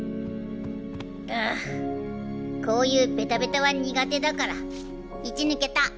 ああこういうベタベタは苦手だからいち抜けた。